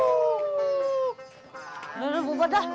udah bu padah